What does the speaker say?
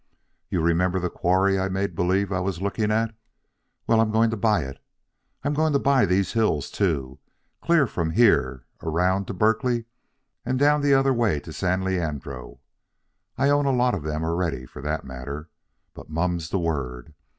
You remember the quarry I made believe I was looking at? Well, I'm going to buy it. I'm going to buy these hills, too, clear from here around to Berkeley and down the other way to San Leandro. I own a lot of them already, for that matter. But mum is the word.